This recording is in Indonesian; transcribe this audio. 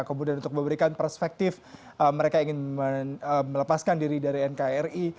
kemudian untuk memberikan perspektif mereka ingin melepaskan diri dari nkri